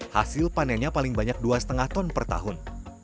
hasil panennya paling banyak dua lima ton per tahun